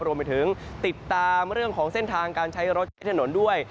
รวมไปถึงติดตามเรื่องของเส้นทางการใช้รถใช้ถนนด้วย